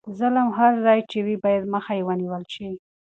ظلم هر ځای چې وي باید مخه یې ونیول شي.